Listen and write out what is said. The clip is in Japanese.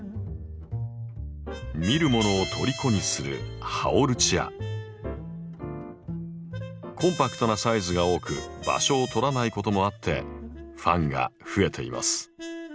見る者をとりこにするコンパクトなサイズが多く場所を取らないこともあってファンが増えています。